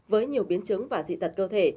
với nhiều biến chứng và dị tật cơ thể